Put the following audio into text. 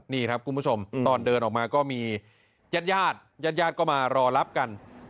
นี่ครับคุณผู้ชมตอนเดินออกมาก็มีญาติญาติก็มารอรับกัน